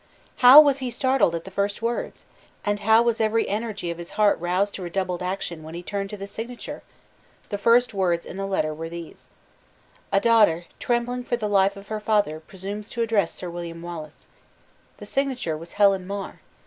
How was he startled at the first words! and how was every energy of his heart roused to redoubled action when he turned to the signature! The first words in the letter were these: "A daughter, trembling for the life of her father, presumes to address Sir William Wallace." The signature was "Helen Mar."